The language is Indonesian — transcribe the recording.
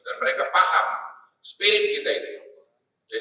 dan mereka paham spirit kita ini